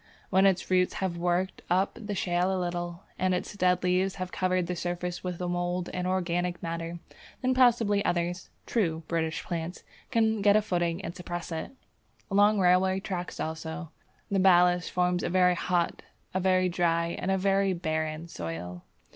When its roots have worked up the shale a little, and its dead leaves have covered the surface with mould and organic matter, then possibly others (true British plants) can get a footing and suppress it. Along railway tracks, also, the ballast forms a very hot, a very dry, and a very barren soil.